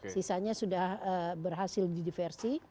sisanya sudah berhasil didiversi